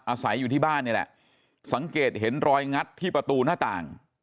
อาศัยอยู่ที่บ้านนี่แหละสังเกตเห็นรอยงัดที่ประตูหน้าต่าง